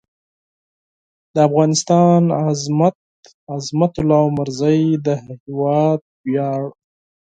د افغانستان عظمت؛ عظمت الله عمرزی د هېواد وېاړ